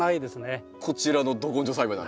こちらのど根性栽培だと？